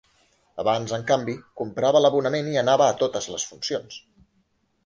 Abans, en canvi, comprava l'abonament i anava a totes les funcions.